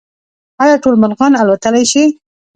ایا ټول مرغان الوتلی شي؟